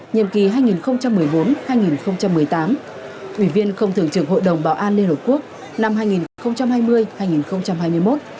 nhiệm kỳ hai nghìn một mươi bốn hai nghìn một mươi tám ủy viên không thường trực hội đồng bảo an liên hợp quốc năm hai nghìn hai mươi hai nghìn hai mươi một